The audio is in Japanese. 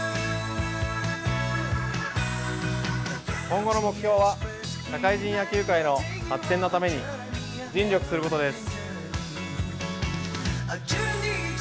今後の目標は社会人野球界の発展のために尽力することです。